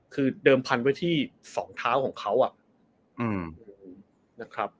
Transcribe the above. คือเดิมพันธุ์ไว้ที่สองเท้าของเขาอะ